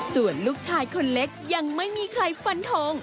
ส่วนลูกชายคนเล็กยังไม่มีใครฟันทง